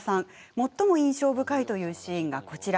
最も印象深いというシーンがこちら。